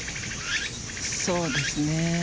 そうですね。